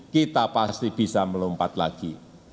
kita pasti bisa melompat lagi